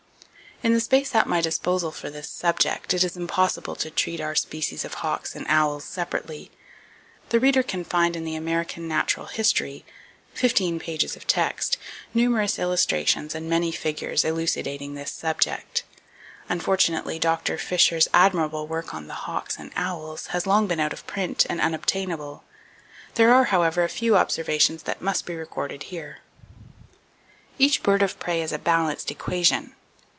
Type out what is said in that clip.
In the space at my disposal for this subject, it is impossible to treat our species of hawks and owls separately. The reader can find in the "American Natural History" fifteen pages of text, numerous illustrations and many figures elucidating this subject. Unfortunately Dr. Fisher's admirable work on "The Hawks and Owls" has long been out of print, and unobtainable. There are, however, a few observations that must be recorded here. Each bird of prey is a balanced equation.